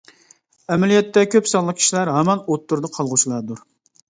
ئەمەلىيەتتە كۆپ سانلىق كىشىلەر ھامان ئوتتۇرىدا قالغۇچىلاردۇر.